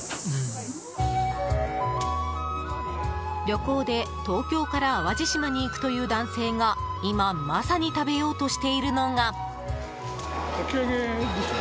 旅行で東京から淡路島に行くという男性が今まさに食べようとしているのが。